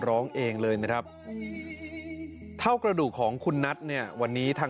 ร้องเองเลยนะครับเท่ากระดูกของคุณนัทเนี่ยวันนี้ทาง